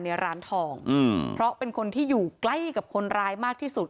ในร้านทองอืมเพราะเป็นคนที่อยู่ใกล้กับคนร้ายมากที่สุด